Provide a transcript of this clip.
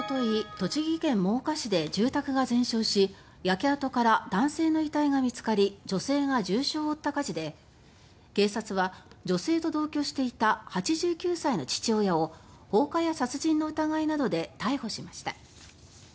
栃木県真岡市で住宅が全焼し焼け跡から男性の遺体が見つかり女性が重傷を負った火事で警察は女性と同居していた８９歳の父親を放火や殺人の疑いなどで逮捕しました。